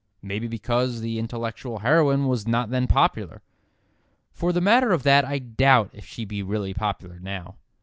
Maybe because the intellectual heroine was not then popular. For the matter of that I doubt if she be really popular now.